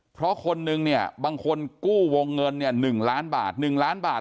เพราะคนหนึ่งเนี่ยบางคนกู้วงเงิน๑ล้านบาท